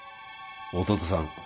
弟さん